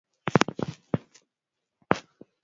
kubwa Ataturk alileta mabadiliko mengi yaliyolenga kuondoa